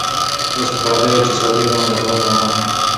اوس په پردیو کي سوځېږمه د خدای په امان